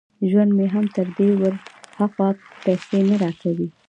ژوند مې هم تر دې ور هاخوا پيسې نه را کوي.